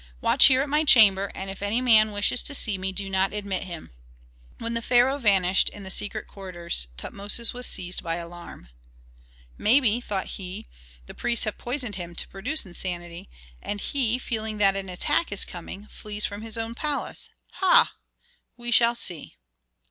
Watch here at my chamber, and if any man wishes to see me do not admit him." When the pharaoh vanished in the secret corridors Tutmosis was seized by alarm. "Maybe," thought he, "the priests have poisoned him to produce insanity; and he, feeling that an attack is coming, flees from his own palace? Ha! we shall see!"